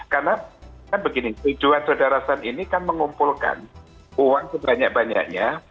karena kan begini tujuan saudarisan ini kan mengumpulkan uang sebanyak banyaknya